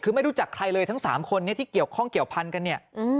คือไม่รู้จักใครเลยทั้ง๓คนที่เกี่ยวข้องเกี่ยวพันกันเนี่ย